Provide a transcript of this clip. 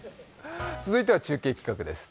続いては中継企画です。